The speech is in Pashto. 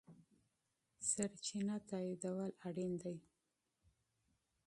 سرچینه تاییدول اړین دي.